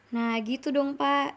nah gitu dong pak